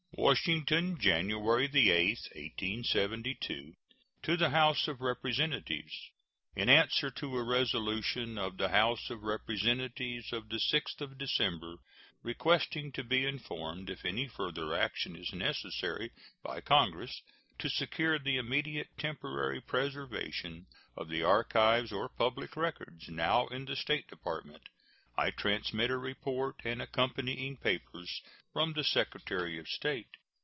WASHINGTON, January 8, 1872. To the House of Representatives: In answer to a resolution of the House of Representatives of the 6th of December, requesting to be informed if any further action is necessary by Congress to secure the immediate temporary preservation of the archives or public records now in the State Department, I transmit a report and accompanying papers from the Secretary of State.